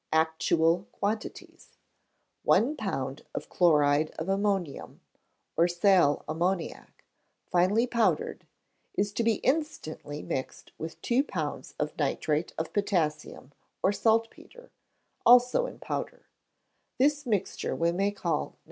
Actual quanties one pound of chloride of ammonium, or sal ammoniac, finely powdered, is to be intimately mixed with two pounds of nitrate of potasium or saltpetre, also in powder; this mixture we may call No.